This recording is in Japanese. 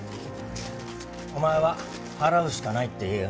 お前は払うしかないって言えよ。